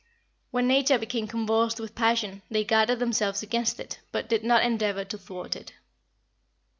When nature became convulsed with passion, they guarded themselves against it, but did not endeavor to thwart it.